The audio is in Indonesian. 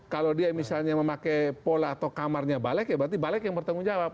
kalau dia misalnya memakai pola atau kamarnya balek ya berarti balek yang bertanggung jawab